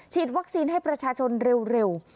วัคซีนให้ประชาชนเร็ว